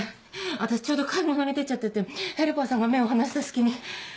私ちょうど買い物に出ちゃっててヘルパーさんが目を離した隙に。